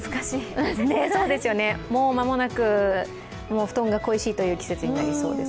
もう間もなくお布団が恋しいという季節になりそうです。